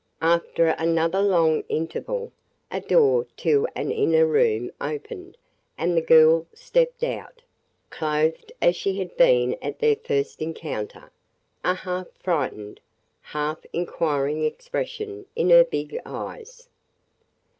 After another long interval, a door to an inner room opened and the girl stepped out, clothed as she had been at their first encounter, a half frightened, half inquiring expression in her big eyes.